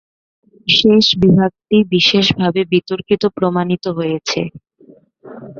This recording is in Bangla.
শেষ বিভাগটি বিশেষভাবে বিতর্কিত প্রমাণিত হয়েছে।